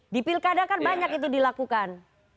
di pilkada kan banyak itu dilakukan